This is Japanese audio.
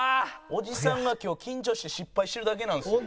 おじさんが今日緊張して失敗してるだけなんですよ。